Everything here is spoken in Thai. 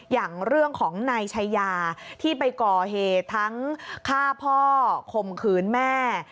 อย่างเรื่องของนายชายาที่ไปก่อเหตุทั้งฆ่าพ่อข่มขืนแม่